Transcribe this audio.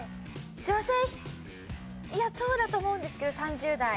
女性いやそうだと思うんですけど３０代。